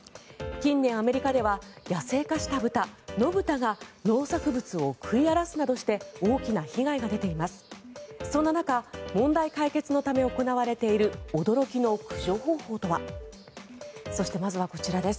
近年、アメリカでは野生化した豚、野豚が農作物を食い荒らすなどして大きな被害が出ています。